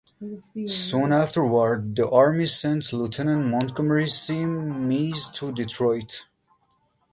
Soon afterward, the Army sent Lieutenant Montgomery C. Meigs to Detroit.